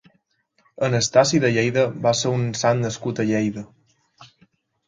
Anastasi de Lleida va ser un sant nascut a Lleida.